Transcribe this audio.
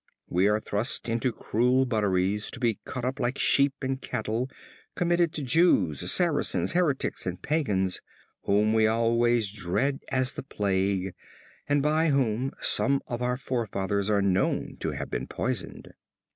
We are thrust into cruel butteries, to be cut up like sheep and cattle; committed to Jews, Saracens, heretics and Pagans, whom we always dread as the plague, and by whom some of our forefathers are known to have been poisoned."